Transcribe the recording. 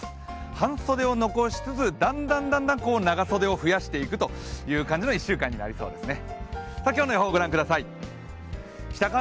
半袖を残しつつ、だんだん長袖を増やしていくという感じの１週間になりそうですね。